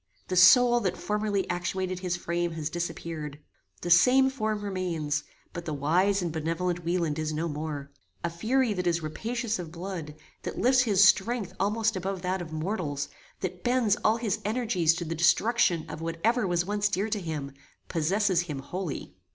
The soul that formerly actuated his frame has disappeared. The same form remains; but the wise and benevolent Wieland is no more. A fury that is rapacious of blood, that lifts his strength almost above that of mortals, that bends all his energies to the destruction of whatever was once dear to him, possesses him wholly.